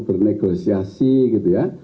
bernegosiasi gitu ya